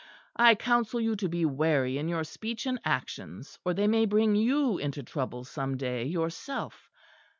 I counsel you to be wary in your speech and actions; or they may bring you into trouble some day yourself.